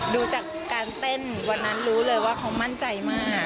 ดูจากการเต้นวันนั้นรู้เลยว่าเขามั่นใจมาก